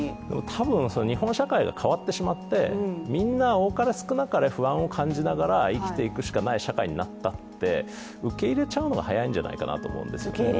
多分、日本社会が変わってしまって、みんな、多かれ少なかれ不安を感じながら生きていくしかない社会になったので、受け入れちゃうのが早いと思います。